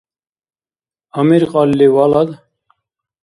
Амир кьалли валад?